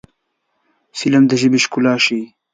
فلم د ژبې ښکلا ښيي